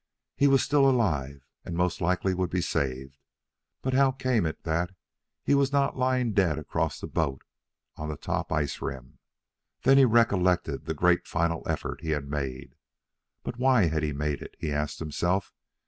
He was still alive, and most likely would be saved, but how came it that he was not lying dead across the boat on top the ice rim? Then he recollected the great final effort he had made. But why had he made it? he asked himself.